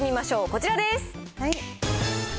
こちらです。